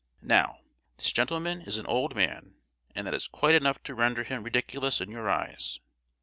Now, this gentleman is an old man, and that is quite enough to render him ridiculous in your eyes.